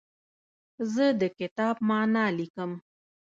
زه د کتاب معنی لیکم.